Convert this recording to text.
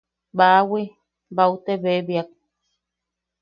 Baawi, bau te bebiak.